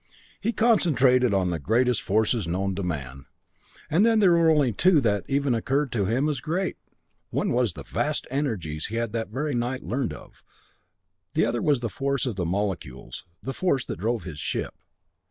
He concentrated on the greatest forces known to man and there were only two that even occurred to him as great! One was the vast energies he had that very night learned of; the other was the force of the molecules, the force that drove his ship.